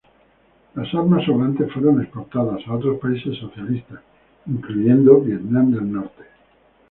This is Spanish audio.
Las armas sobrantes fueron exportadas a otros países socialistas, incluyendo a Vietnam del Norte.